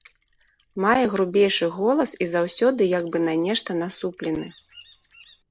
Мае грубейшы голас і заўсёды як бы на нешта насуплены.